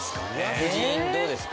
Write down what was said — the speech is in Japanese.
夫人どうですか？